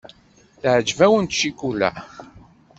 Teɛjeb-awent ccikula.